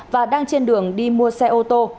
và đang trên đường đi mua xe ô tô